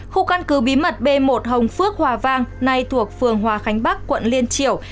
khu căn cứ bí mật b một hồng phước hòa vang nay thuộc phường hòa khánh bắc quận liên triểu